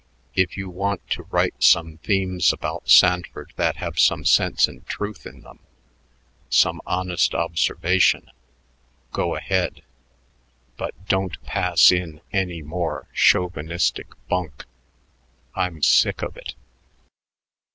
If you want to write some themes about Sanford that have some sense and truth in them, some honest observation, go ahead; but don't pass in any more chauvinistic bunk. I'm sick of it."